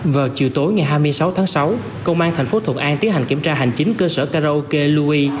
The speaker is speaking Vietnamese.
vào chiều tối ngày hai mươi sáu tháng sáu công an thành phố thuận an tiến hành kiểm tra hành chính cơ sở karaoke loui